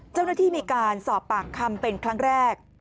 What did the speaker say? เจ้าหน้าที่มีการสอบปากคำเป็นครั้งแรก